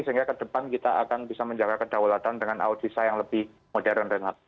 sehingga ke depan kita akan bisa menjaga kedaulatan dengan audisa yang lebih modern